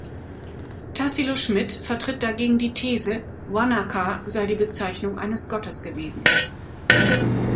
Tassilo Schmitt vertritt dagegen die These, "wa-na-ka" sei die Bezeichnung eines Gottes gewesen.